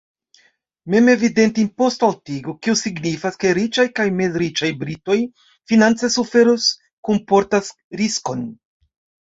Memevidente imposto-altigo, kiu signifas, ke riĉaj kaj mezriĉaj britoj finance suferos, kunportas riskon.